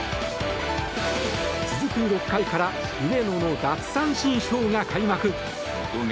続く６回から上野の奪三振ショーが開幕。